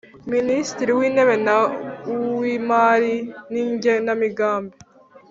Minisitiri w intebe na w imari n igenamigambi